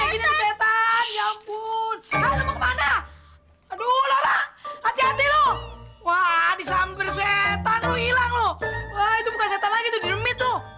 itu bukan setan lagi